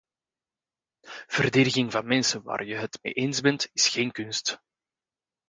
Verdediging van mensen waar je het mee eens bent, is geen kunst.